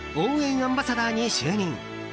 アンバサダーに就任。